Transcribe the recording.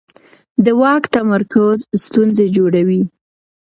د واک تمرکز ستونزې جوړوي